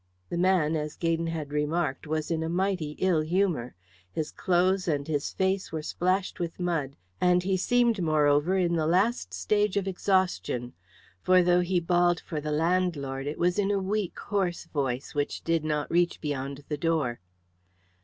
The man, as Gaydon had remarked, was in a mighty ill humour; his clothes and his face were splashed with mud, and he seemed, moreover, in the last stage of exhaustion. For though he bawled for the landlord it was in a weak, hoarse voice, which did not reach beyond the door.